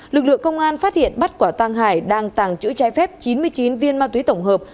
lực lượng công an phát hiện bắt quả tăng hải đang tàng trữ trái phép chín mươi chín viên ma túy tổng hợp